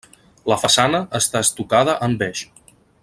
La façana està estucada en beix.